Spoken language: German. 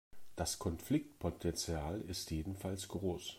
Das Konfliktpotenzial ist jedenfalls groß.